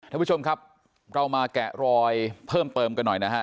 ท่านผู้ชมครับเรามาแกะรอยเพิ่มเติมกันหน่อยนะฮะ